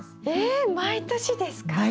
えっ毎年ですか？